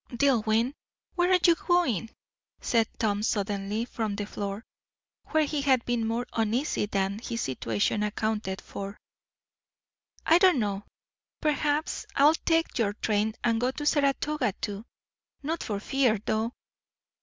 "Dillwyn, where are you going?" said Tom suddenly from the floor, where he had been more uneasy than his situation accounted for. "I don't know perhaps I'll take your train and go to Saratoga too. Not for fear, though."